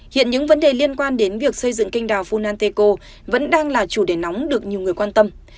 hiện những vấn đề liên quan đến việc xây dựng kênh đào vunanteco vẫn đang là chủ đề nóng được nhiều người quan tâm